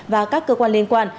và các cơ quan liên quan